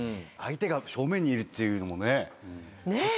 相手が正面にいるっていうのもね。